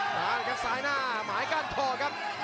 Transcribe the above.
มาเลยครับซ้ายหน้าหมายก้านคอครับ